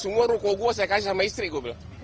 semua ruko gue saya kasih sama istri gue